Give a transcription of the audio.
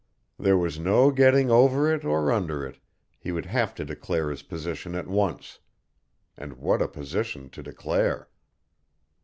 There was no getting over it or under it, he would have to declare his position at once and what a position to declare!